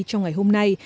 trong ngày hôm nay